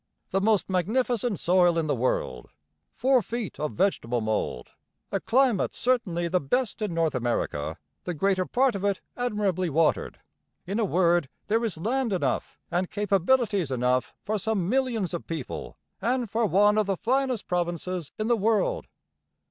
The most magnificent soil in the world four feet of vegetable mould a climate certainly the best in North America the greater part of it admirably watered. In a word, there is land enough and capabilities enough for some millions of people and for one of the finest provinces in the world.'